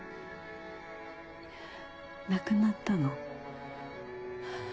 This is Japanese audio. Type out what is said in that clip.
亡くなったの。